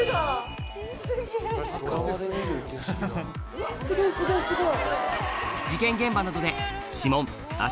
うわすごいすごいすごい。